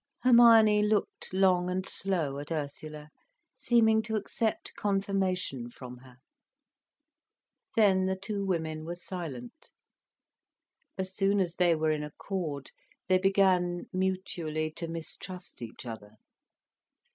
Hermione looked long and slow at Ursula, seeming to accept confirmation from her. Then the two women were silent. As soon as they were in accord, they began mutually to mistrust each other.